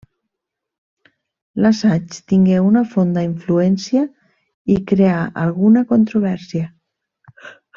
L'assaig tingué una fonda influència i creà alguna controvèrsia.